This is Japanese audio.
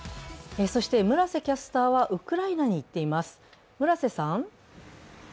村瀬キャスターはウクライナに行っています。